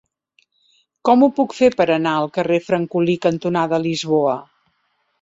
Com ho puc fer per anar al carrer Francolí cantonada Lisboa?